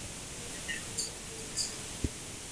The station is located in the west of Nuremberg.